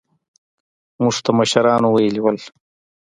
موږ ته مشرانو ويلي وو.